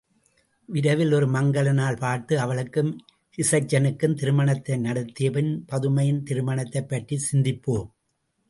விரைவில் ஒரு மங்கல நாள் பார்த்து அவளுக்கும் இசைச்சனுக்கும் திருமணத்தை நடத்தியபின் பதுமையின் திருமணத்தைப் பற்றிச் சிந்திப்போம்!